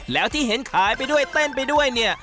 แล้วที่เห็นขายไปด้วยเต้นไปด้วยเนี่ย